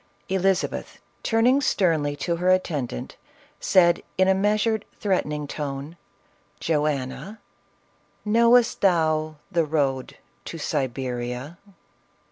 Elizabeth, turning sternly to her attendant, said in a measured, threatening tone, "Joanna, knowtst thou the road to Siberia